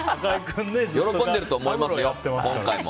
喜んでいると思いますよ、今回も。